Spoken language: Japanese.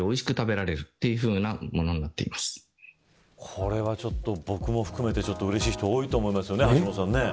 これは僕も含めてうれしい人が多いと思います。